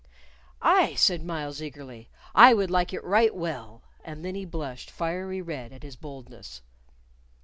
"Aye," said Myles, eagerly, "I would like it right well." And then he blushed fiery red at his boldness.